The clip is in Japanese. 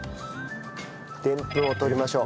でんぷんを取りましょう。